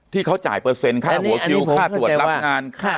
ที่เขาจ่ายเปอร์เซ็นต์ค่าหัวคิวค่าตรวจรับงานค่า